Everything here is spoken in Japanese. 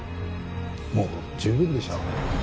もう十分でしょう